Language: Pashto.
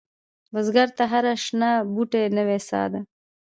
بزګر ته هره شنه بوټۍ نوې سا ده